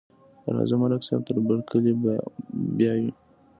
راځه، ملک صاحب تر برکلي بیایو.